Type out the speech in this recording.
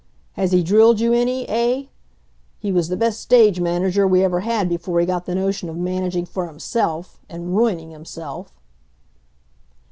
Has he drilled you any, eh? He was the best stage manager we ever had before he got the notion of managing for himself and ruining himself."